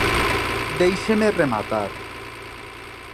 Déixeme rematar.